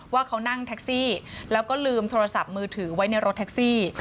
ว่าเขานั่งแท็กซี่แล้วก็ลืมโทรศัพท์มือถือไว้ในรถแท็กซี่